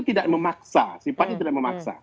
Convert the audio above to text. tidak memaksa sifatnya tidak memaksa